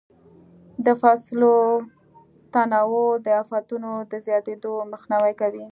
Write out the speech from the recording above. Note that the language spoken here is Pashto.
د فصلو تناوب د افتونو د زیاتېدو مخنیوی کوي.